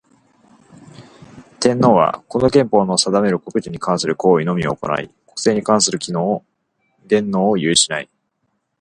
天皇は、この憲法の定める国事に関する行為のみを行ひ、国政に関する権能を有しない。